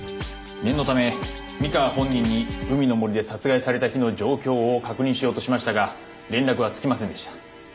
念のため三河本人に海の森で殺害された日の状況を確認しようとしましたが連絡はつきませんでした。